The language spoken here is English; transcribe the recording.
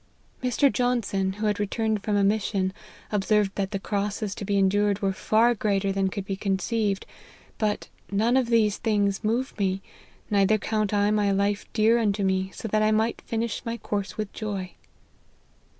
Mr. Johnson, who had returned from a mission, observ ed that the crosses to be enduied were far greater than could be conceived ; but ' none of these things move me, neither count I my life dear unto me, so that I might finish my course with joy.'